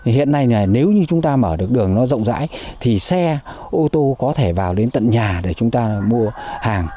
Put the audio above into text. hiện nay là nếu như chúng ta mở được đường nó rộng rãi thì xe ô tô có thể vào đến tận nhà để chúng ta mua hàng